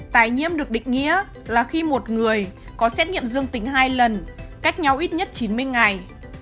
tái nhiễm được định nghĩa là khi một người có xét nghiệm dương tính hai lần cách nhau ít nhất chín mươi ngày